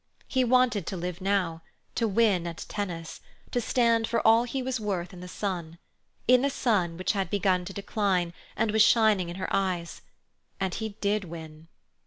He wanted to live now, to win at tennis, to stand for all he was worth in the sun—the sun which had begun to decline and was shining in her eyes; and he did win.